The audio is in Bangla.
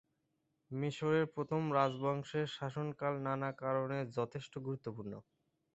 মিশরের প্রথম রাজবংশের শাসনকাল নানা কারণে যথেষ্ট গুরুত্বপূর্ণ।